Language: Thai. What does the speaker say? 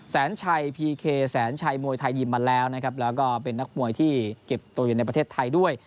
แสนชัยพีเคแสนชัยมวยไทยยิมมาแล้วนะครับแล้วก็เป็นนักมวยที่เก็บตัวอยู่ในประเทศไทยด้วย